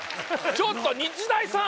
「ちょっと日大さん！」